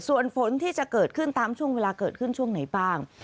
ส่วนฝนที่จะเกิดขึ้นตามช่วงเวลาเกิดขึ้นช่วงไหนบ้าง